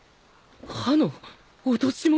歯の落とし物？